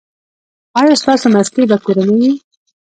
ایا ستاسو ماستې به کورنۍ وي؟